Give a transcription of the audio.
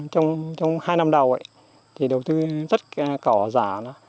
thì tất cả trong hai năm đầu thì đầu tư rất cỏ giả